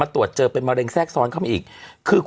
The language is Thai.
อืมอืมอืม